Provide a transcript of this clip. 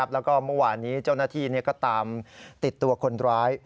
แล้วก็เมื่อวานนี้เจ้าหน้าที่ก็ตามติดตัวคนร้าย